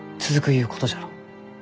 ゆうことじゃろう？